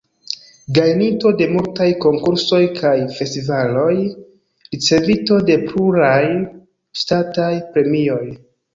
Gajninto de multaj konkursoj kaj festivaloj, ricevinto de pluraj ŝtataj premioj.